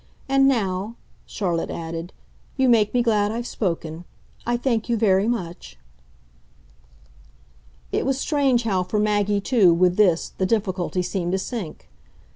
And now," Charlotte added, "you make me glad I've spoken. I thank you very much." It was strange how for Maggie too, with this, the difficulty seemed to sink.